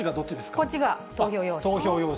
こっちが投票用紙。